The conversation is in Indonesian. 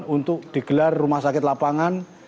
untuk digelar rumah sakit lapangan